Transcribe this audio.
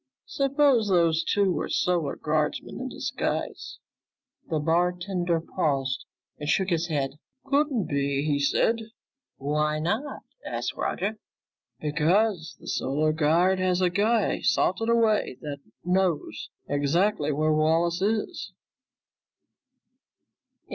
"Suppose those two were Solar Guardsmen in disguise?" The bartender paused, then shook his head. "Couldn't be!" he said. "Why not?" asked Roger. "Because the Solar Guard has a guy salted away that knows exactly where Wallace is."